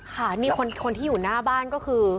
ค่ะนี่คนที่อยู่หน้าบ้านก็คือ